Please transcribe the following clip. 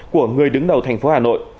của người đứng đầu tp hà nội